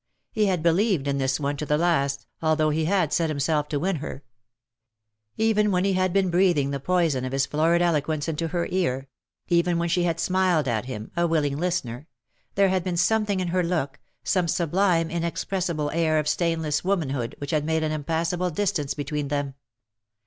He had believed in this one to the last, although he had set himself to win her. Even when he had been breathing the poison of his florid eloquence into her ear — even when she had smiled at him, a willing listener — there had been something in her look, some sublime inexpressible air of stainless 251 womanhood which had made an impassable distance between them.